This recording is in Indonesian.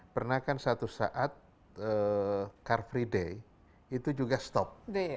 pernah kan satu saat car free day itu juga stop